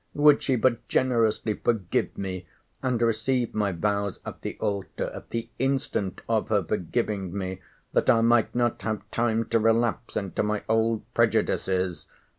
—Would she but generously forgive me, and receive my vows at the altar, at the instant of her forgiving me, that I might not have time to relapse into my old prejudices!